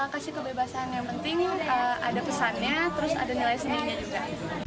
kasih kebebasan yang penting ada pesannya terus ada nilai sendirinya juga